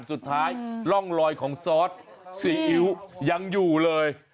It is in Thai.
ร่องรอยของซอสซีอิ๊วยังอยู่เลย